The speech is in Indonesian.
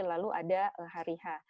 lalu ada hari h